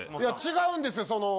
いや違うんですよ。